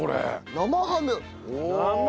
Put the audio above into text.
生ハム！